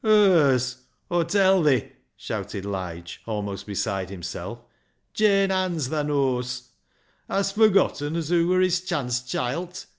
"" Hers, Aw tell thi," shouted Lige, almost beside himself, " Jane Ann's, thaa knows. Hast forgotten as hoo wur his chance chilt.